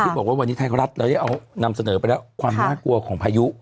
บอกว่าวันนี้ไทยรัฐเราได้เอานำเสนอไปแล้วความน่ากลัวของพายุ